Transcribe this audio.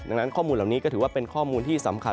ดังนั้นข้อมูลเหล่านี้ก็ถือว่าเป็นข้อมูลที่สำคัญ